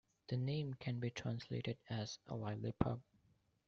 The name can be translated as "a lively pub".